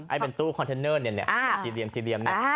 เป็นตู้คอนเทนเนอร์เนี่ยสี่เหลี่ยสี่เหลี่ยมเนี่ย